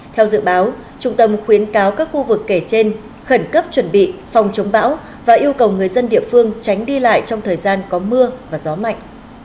theo dự báo trung tâm khuyến cáo các khu vực kể trên khẩn cấp chuẩn bị phòng chống bão và yêu cầu người dân địa phương tránh đi lại trong thời gian có mưa và gió mạnh